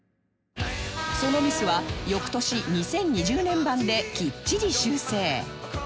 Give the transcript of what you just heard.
そのミスは翌年２０２０年版できっちり修正